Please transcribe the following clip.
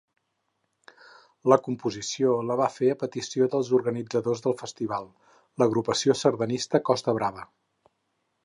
La composició la va fer a petició dels organitzadors del festival, l'Agrupació Sardanista Costa Brava.